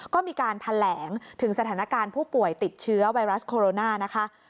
ก็มีการแถลงถึงสถานการณ์ผู้ป่วยติดเชื้อไวรัสโคโรนานะคะ